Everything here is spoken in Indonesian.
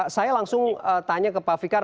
saya langsung tanya ke pak fikar